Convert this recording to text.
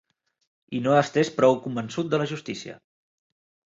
...i no estès prou convençut de la justícia